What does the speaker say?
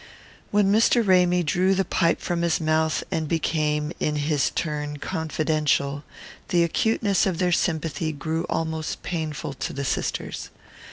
When Mr. Ramy drew the pipe from his mouth and became, in his turn, confidential, the acuteness of their sympathy grew almost painful to the sisters.